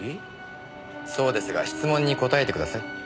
そうですが質問に答えてください。